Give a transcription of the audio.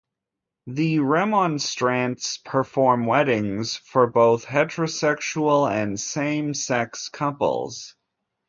The Remonstrants perform weddings for both heterosexual and same-sex couples.